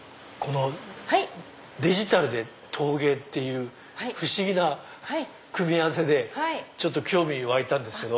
デジタルで陶芸っていう不思議な組み合わせでちょっと興味湧いたんですけど。